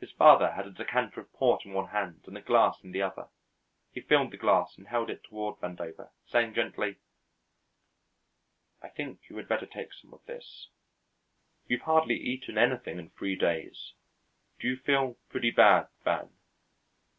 His father had a decanter of port in one hand and a glass in the other; he filled the glass and held it toward Vandover, saying gently: "I think you had better take some of this: you've hardly eaten anything in three days. Do you feel pretty bad, Van?"